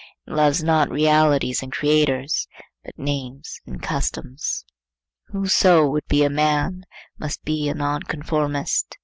It loves not realities and creators, but names and customs. Whoso would be a man, must be a nonconformist.